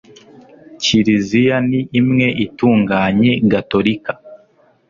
kiliziya ni imwe itunganye gatolika